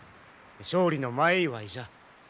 勝利の前祝いじゃ。